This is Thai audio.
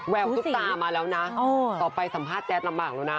แววตุ๊กตามาแล้วนะต่อไปสัมภาษณ์แจ๊คลำบังแล้วนะ